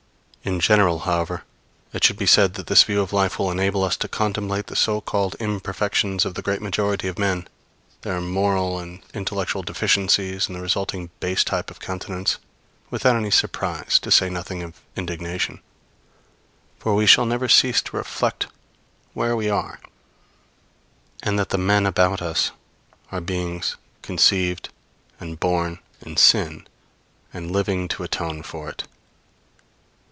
In general, however, it should be said that this view of life will enable us to contemplate the so called imperfections of the great majority of men, their moral and intellectual deficiencies and the resulting base type of countenance, without any surprise, to say nothing of indignation; for we shall never cease to reflect where we are, and that the men about us are beings conceived and born in sin, and living to atone for it.